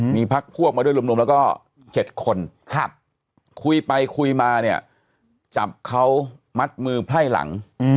มีพักพวกมาด้วยรวมแล้วก็๗คนคุยไปคุยมาเนี่ยจับเขามัดมือไพร่หลัง